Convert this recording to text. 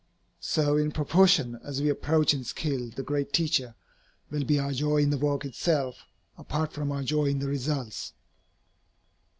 So in proportion as we approach in skill the great Teacher, will be our joy in the work itself, apart from our joy in the results.